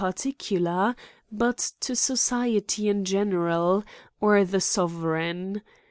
particular, but to society in general, or the sove ^ reigu.